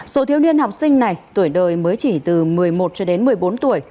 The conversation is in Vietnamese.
số thiếu niên học sinh này tuổi đời mới chỉ từ một mươi một một mươi bốn tuổi